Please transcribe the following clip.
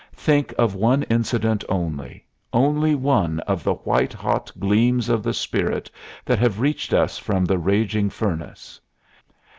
Think of one incident only, only one of the white hot gleams of the Spirit that have reached us from the raging furnace.